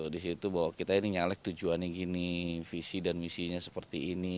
di situ bahwa kita ini nyalek tujuannya gini visi dan misinya seperti ini